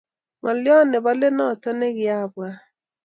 Ngolio nebo let notok nekiabuat